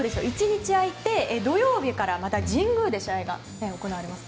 １日空いて土曜日からまた神宮で試合が行われます。